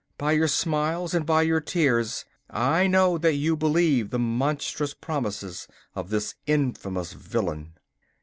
By your smiles and by your tears I know that you believe the monstrous promises of this infamous villain.